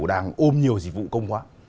đang ôm nhiều dịch vụ công hóa